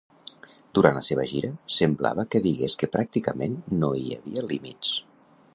Durant la seva gira, semblava que digués que pràcticament no hi havia límits.